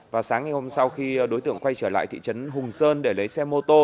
và sáng ngày hôm sau khi đối tượng quay trở lại thị trấn hùng sơn để lấy xe mô tô